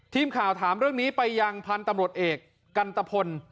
ทีมข่าวถามเรื่องนี้ไปยังพันธุ์ตำรวจเอกกันตะพล